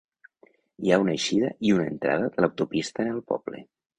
Hi ha una eixida i una entrada de l'autopista en el poble.